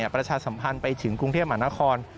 ประชาสัมพันธ์ไปถึงกรุงเทพมหานคร